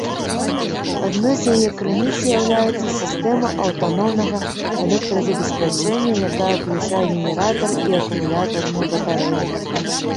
Адной з яе крыніц з'яўляецца сістэма аўтаномнага электразабеспячэння, якая ўключае генератар і акумулятарную батарэю.